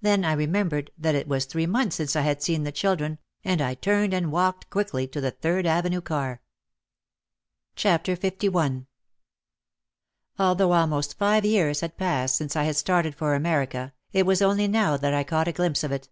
Then I remembered that it was three months since I had seen the children and I turned and walked quickly to the Third Avenue car. 246 OUT OF THE SHADOW LI Although almost five years had passed since I had started for America it was only now that I caught a glimpse of it.